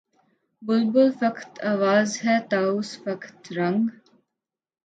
بلبل فقط آواز ہے طاؤس فقط رنگ